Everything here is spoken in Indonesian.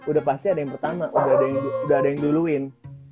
udah pasti ada yang pertama udah ada yang duluin